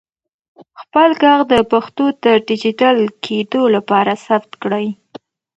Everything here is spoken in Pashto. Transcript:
خپل ږغ د پښتو د ډیجیټل کېدو لپاره ثبت کړئ.